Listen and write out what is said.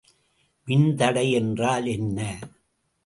மின்தடை என்றால் என்ன?